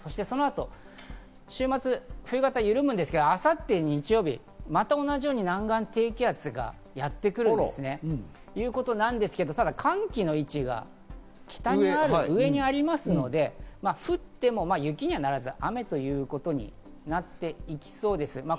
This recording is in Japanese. そのあと週末、冬型が緩むんですが明後日日曜日、また同じように南岸低気圧がやってくるんですね。ということなんですけど寒気の位置が北にある、上にありますのででも雪にはならず、雨ということになっていきそうです。